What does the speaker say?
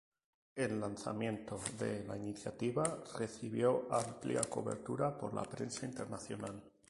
El lanzamiento de la iniciativa recibió amplia cobertura por la prensa internacional.